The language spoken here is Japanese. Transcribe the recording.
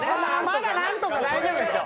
まだなんとか大丈夫ですよ。